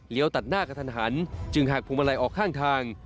ตัดหน้ากระทันหันจึงหากพวงมาลัยออกข้างทาง